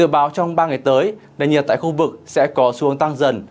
báo trong ba ngày tới nền nhiệt tại khu vực sẽ có xu hướng tăng dần